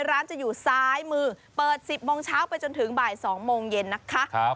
ร้านจะอยู่ซ้ายมือเปิด๑๐โมงเช้าไปจนถึงบ่าย๒โมงเย็นนะคะ